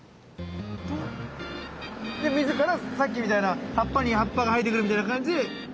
で自らさっきみたいな葉っぱに葉っぱが生えてくるみたいな感じで。